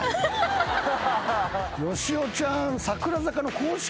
よしおちゃん。